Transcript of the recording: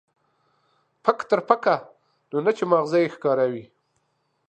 پک تر پکه، نو نه چې ما غزه يې ښکاره وي.